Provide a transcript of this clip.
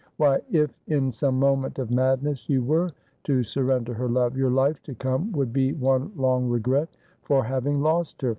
Why, if, in some moment of madness, you were to surrender her love, your life to come would be one long regret for having lost her.